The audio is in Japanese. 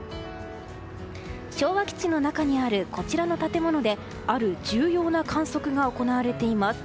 昭和基地の中にあるこちらの建物である重要な観測が行われています。